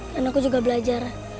dan aku juga belajar